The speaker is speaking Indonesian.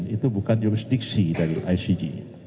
itu bukan jurisdiksi dari icg